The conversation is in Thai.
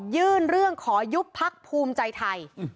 ยื่นเรื่องขอยุบพักภูมิใจไทย